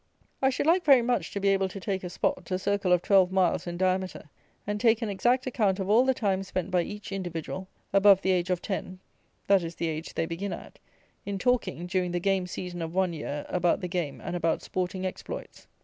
I should like very much to be able to take a spot, a circle of 12 miles in diameter, and take an exact account of all the time spent by each individual, above the age of ten (that is the age they begin at), in talking, during the game season of one year, about the game and about sporting exploits.